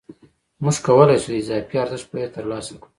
موږ کولای شو د اضافي ارزښت بیه ترلاسه کړو